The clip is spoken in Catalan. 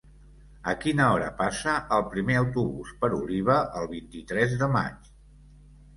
A quina hora passa el primer autobús per Oliva el vint-i-tres de maig?